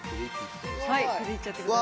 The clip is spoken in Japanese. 手でいっちゃってください。